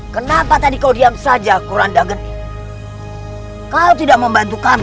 kenapa tadi kau diam saja kuranda gede kau tidak membantu kamu